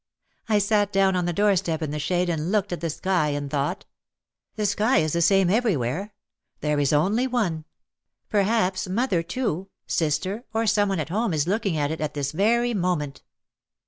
I sat down on the door step in the shade and looked at the sky and thought: "The sky is the same everywhere. There is only one. Perhaps mother, too, sister or some one at home is look ing at it at this very moment.